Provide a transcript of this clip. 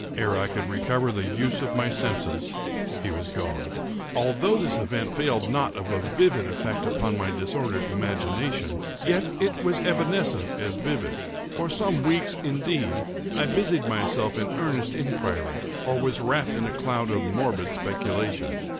Ere I could recover the use of my senses he was gone. Although this event failed not of a vivid effect upon my disordered imagination, yet was it evanescent as vivid. For some weeks, indeed, I busied myself in earnest inquiry, or was wrapped in a cloud of morbid speculation.